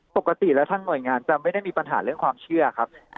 ปกติแล้วทางหน่วยงานจะไม่ได้มีปัญหาเรื่องความเชื่อครับ